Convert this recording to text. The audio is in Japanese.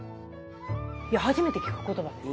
いや初めて聞く言葉です。